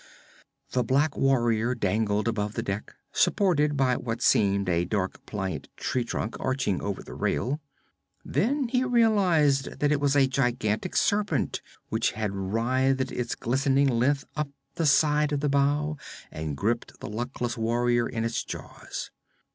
The black warrior dangled above the deck, supported by what seemed a dark pliant tree trunk arching over the rail. Then he realized that it was a gigantic serpent which had writhed its glistening length up the side of the bow and gripped the luckless warrior in its jaws.